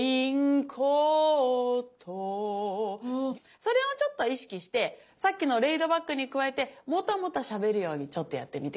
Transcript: それをちょっと意識してさっきのレイドバックに加えてもたもたしゃべるようにちょっとやってみて。